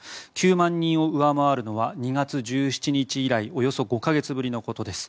９万人を上回るのは２月１７日以来およそ５か月ぶりのことです。